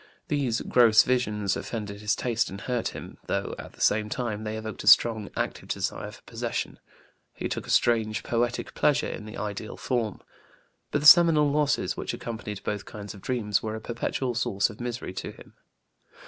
These gross visions offended his taste and hurt him, though, at the same time, they evoked a strong, active desire for possession; he took a strange, poetic pleasure in the ideal form. But the seminal losses which accompanied both kinds of dreams were a perpetual source of misery to him.